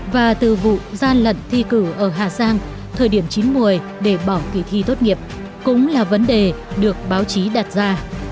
và từ vụ gian lận thi cử ở hà giang thời điểm chín mùi để bỏ kỳ thi tốt nghiệp cũng là vấn đề được báo chí đặt ra